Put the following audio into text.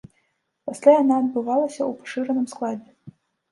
Пасля яна адбывалася ў пашыраным складзе.